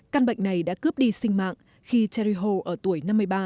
căn bệnh này đã cướp đi sinh mạng khi terry hall ở tuổi năm mươi ba